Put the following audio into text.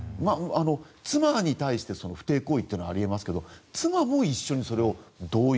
妻に対して不貞行為というのはあり得ますけども妻も一緒にそれを同意